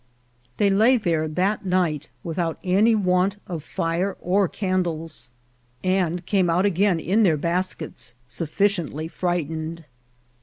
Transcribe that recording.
They lay there that Night without any Want of Fire or Can 12 INCIDENTS OF TRAVEL. dies, and came out again in their Baskets sufficiently frighted."